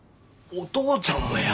お父ちゃんもや。